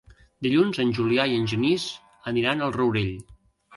Dilluns en Julià i en Genís aniran al Rourell.